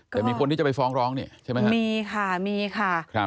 แต่มีคนที่จะไปฟ้องร้องนี่ใช่ไหมครับมีค่ะมีค่ะ